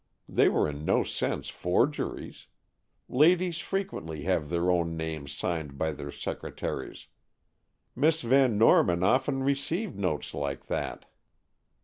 They were in no sense forgeries. Ladies frequently have their own names signed by their secretaries. Miss Van Norman often received notes like that."